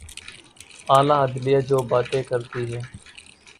اعلی عدلیہ جو باتیں کرتی ہے۔